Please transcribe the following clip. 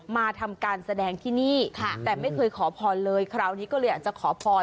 มาทำการแสดงที่นี่แต่ไม่เคยขอพรเลยคราวนี้ก็เลยอยากจะขอพร